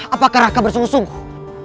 apakah raka bersungguh sungguh